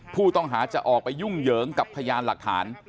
ผู้ต้องหาจะออกไปยุ่งเหยิงกับพยานหลักฐาน